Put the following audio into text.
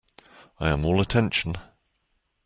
I am all attention.